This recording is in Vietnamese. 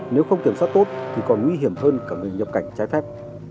nếu không kiểm soát tốt thì còn nguy hiểm hơn cả người nhập cảnh trái phép